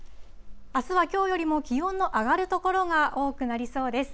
あすはきょうよりも気温の上がる所が多くなりそうです。